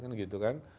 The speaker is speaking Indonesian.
kan gitu kan